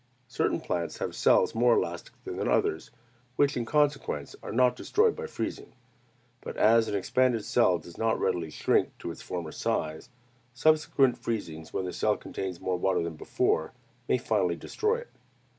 Certain plants have cells more elastic than others, which in consequence are not destroyed by freezing. But as an expanded cell does not readily shrink to its former size, subsequent freezings, when the cell contains more water than before, may finally destroy it.